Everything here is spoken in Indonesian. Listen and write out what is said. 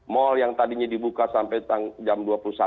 mal yang tadinya dibuka sampai jam dua puluh satu